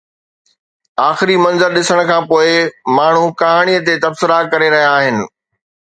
آخري منظر ڏسڻ کان پوءِ ماڻهو ڪهاڻي تي تبصرا ڪري رهيا آهن.